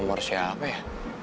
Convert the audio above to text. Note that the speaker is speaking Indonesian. nomor siapa ya